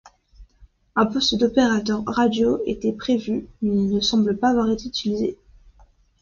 Un poste d’opérateur radio était prévu mais ne semble pas avoir été utilisé.